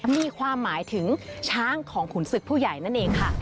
มีความหมายถึงช้างของขุนศึกผู้ใหญ่นั่นเองค่ะ